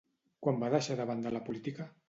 Quan va deixar de banda la política?